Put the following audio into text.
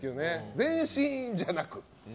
全身じゃなく。